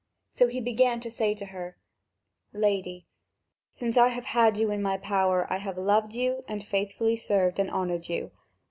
So he began to say to her: "Lady, since I have had you in my power, I have loved you and faithfully served and honoured you.